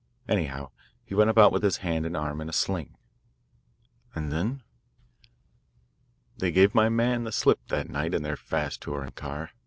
Anyhow, he went about with his hand and arm in a sling." "And then?" "They gave my man the slip that night in their fast touring car.